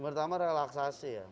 pertama relaksasi ya